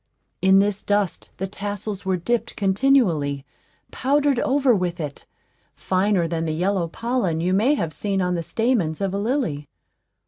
In this dust the tassels were dipped continually powdered over with it, finer than the yellow pollen you may have seen on the stamens of a lily.